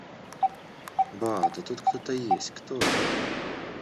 Ба, да тут кто-то есть. Кто это?